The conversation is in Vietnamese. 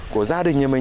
của gia đình như mình